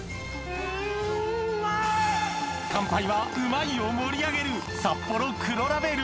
乾杯は「うまい！」を盛り上げるサッポロ黒ラベル！